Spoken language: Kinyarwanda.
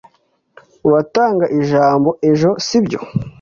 Uratanga ijambo ejo sibyo?